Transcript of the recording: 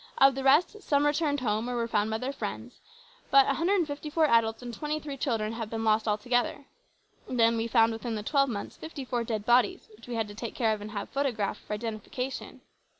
Of the rest some returned home or were found by their friends, but 154 adults and 23 children have been lost altogether. Then, we found within the twelve months 54 dead bodies which we had to take care of and have photographed for identification.